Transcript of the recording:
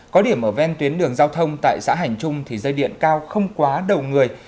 có điểm ở ven tuyến đường giao thông tại xã hành trung thì dây điện cao không quá đầu người